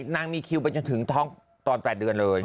นางมีคิวไปจนถึงท้องตอน๘เดือนเลย